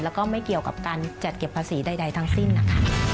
แล้วก็ไม่เกี่ยวกับการจัดเก็บภาษีใดทั้งสิ้นนะคะ